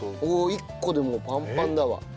１個でもうパンパンだわ。